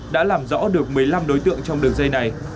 đã làm rõ được một mươi năm đối tượng trong đường dây này